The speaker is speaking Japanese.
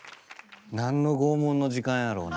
何の拷問の時間やろうな。